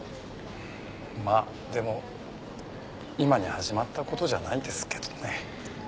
まあでも今に始まった事じゃないですけどね。